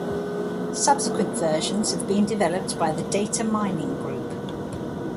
Subsequent versions have been developed by the Data Mining Group.